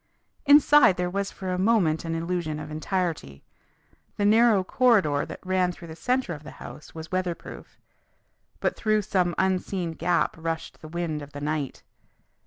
Inside there was for a moment an illusion of entirety. The narrow corridor that ran through the centre of the house was weatherproof. But through some unseen gap rushed the wind of the night.